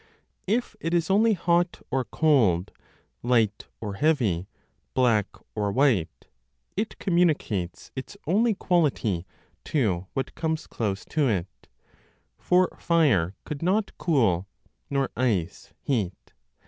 If it is only hot or cold, light or heavy, black or white, it communicates its only quality to what comes close to it; for fire could not cool, nor ice heat.